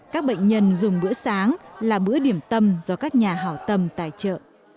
các bệnh nhân dùng bữa sáng là bữa điểm tâm do các nhà hảo tâm tài trợ